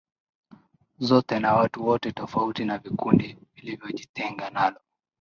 zote na watu wote tofauti na vikundi vilivyojitenga nalo